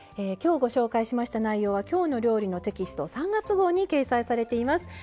今日ご紹介しました内容は「きょうの料理」のテキスト３月号に掲載されています。